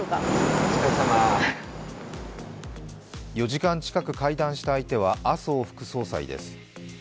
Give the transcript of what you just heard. ４時間近く会談した相手は麻生副総裁です。